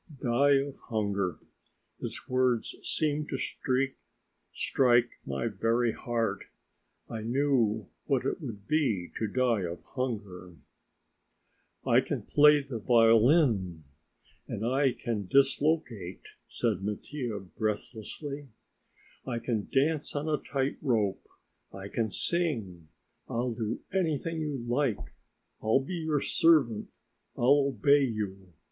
Die of hunger! His words seemed to strike my very heart. I knew what it would be to die of hunger. "I can play the violin, and I can dislocate," said Mattia breathlessly. "I can dance on the tight rope, I can sing, I'll do anything you like. I'll be your servant; I'll obey you.